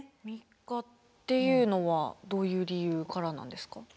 ３日っていうのはどういう理由からなんですか？